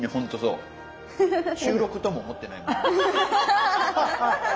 収録とも思ってないもん。